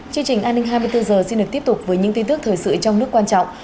chương trình an ninh hai mươi bốn h xin được tiếp tục với những tin tức thời sự trong nước quan trọng